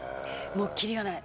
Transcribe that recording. もうキリがない。